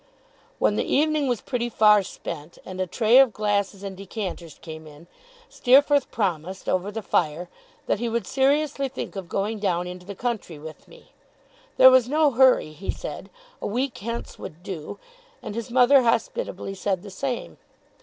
When the evening was pretty far spent, and a tray of glasses and decanters came in, Steerforth promised, over the fire, that he would seriously think of going down into the country with me. There was no hurry, he said; a week hence would do; and his mother hospitably said the same.